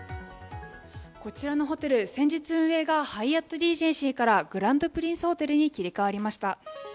こちらのホテル、先日運営がハイアットリージェンシーからグランドプリンスホテルに切り替わりました。